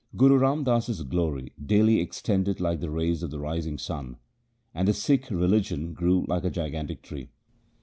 Guru Ram Das's glory daily extended like the rays of the rising sun, and the Sikh religion grew like a gigantic tree.